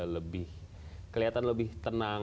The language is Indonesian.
dan kelihatan lebih tenang